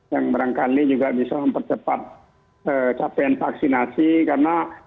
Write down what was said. yang barangkali juga bisa mempercepat capaian vaksinasi karena